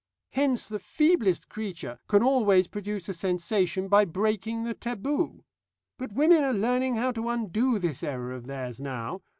Hence the feeblest creature can always produce a sensation by breaking the taboo. But women are learning how to undo this error of theirs now.